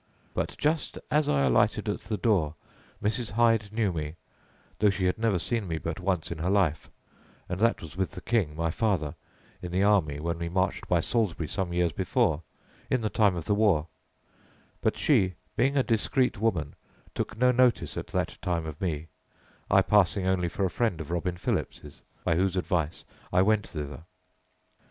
But just as I alighted at the door, Mrs. Hyde knew me, though she had never seen me but once in her life, and that was with the king, my father, in the army, when we marched by Salisbury some years before, in the time of the war; but she, being a discreet woman, took no notice at that time of me, I passing only for a friend of Robin Philips', by whose advice I went thither.